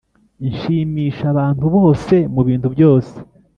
Nshimisha abantu bose mu bintu byose